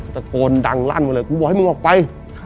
ตะโกนดังลั่นมาเลยกูบอกให้มึงออกไป